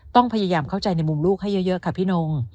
ต้องพยายามเข้าใจในมุมลูกให้เยอะค่ะพี่นง